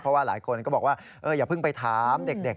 เพราะว่าหลายคนก็บอกว่าอย่าเพิ่งไปถามเด็ก